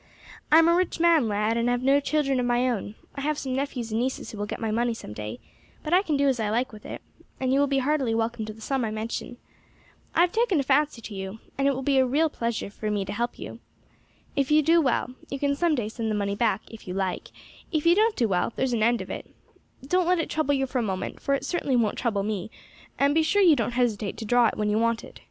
I am a rich man, lad, and have no children of my own; I have some nephews and nieces who will get my money some day, but I can do what I like with it, and you will be heartily welcome to the sum I mention. I have taken a fancy to you, and it will be a real pleasure to me to help you. If you do well you can some day send the money back, if you like; if you don't do well, there's an end of it. Don't let it trouble you for a moment, for it certainly won't trouble me, and be sure you don't hesitate to draw it when you want it.